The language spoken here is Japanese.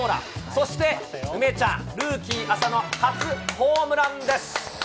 そして梅ちゃん、ルーキー、あさの、初ホームランです。